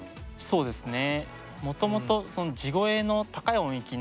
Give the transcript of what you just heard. そうですね。